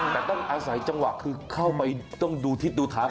แต่ต้องอาศัยจังหวะคือเข้าไปต้องดูทิศดูทาง